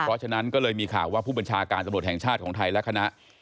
เพราะฉะนั้นก็เลยมีข่าวว่าผู้บัญชาการตำรวจแห่งชาติของไทยและคณะ